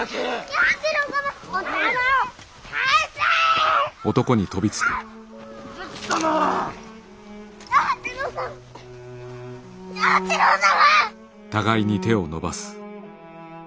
弥八郎様！